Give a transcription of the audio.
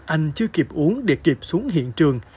anh chưa kịp uống để kịp xuống hiện trường